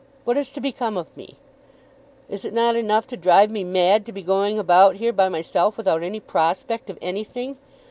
What is to become of me? Is it not enough to drive me mad to be going about here by myself, without any prospect of anything?